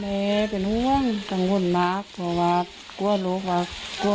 เอาแม่ช่วยไม่ได้รู้คนคงออกตัว